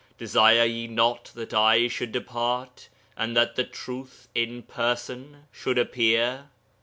Desire ye not that I should depart, and that the truth [in person] should appear?'